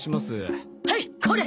はいっこれ！